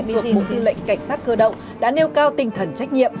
thuộc bộ tư lệnh cảnh sát cơ động đã nêu cao tinh thần trách nhiệm